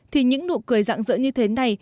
thì những nụ cười dạng dỡ như thế này